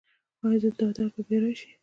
ایا دا درد به بیا راشي؟